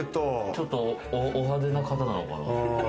ちょっとお派手な方なのかな？